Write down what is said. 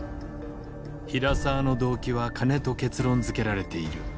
平沢の動機は金と結論づけられている。